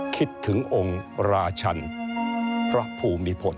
คิดถึงองค์ราชันพระภูมิพล